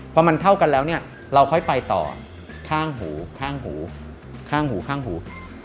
พอมันเท่ากันแล้วเนี่ยเราค่อยไปต่อข้างหูข้างหูข้างหูข้างหู